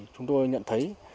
chúng tôi nhận thấy